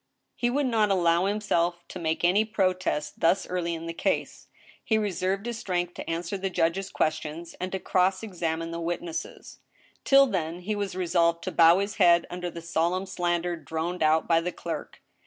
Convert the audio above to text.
He would not allow himself to make any protest thus early in the case. He reserved his strength to answer the judge & questions, and to cross examine the witnesses. Till then he was resolved to bow his head under the solemn slander droned out by the clerk.